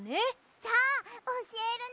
じゃあおしえるね！